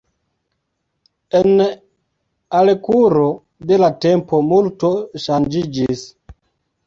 En al kuro de la tempo multo ŝanĝiĝis.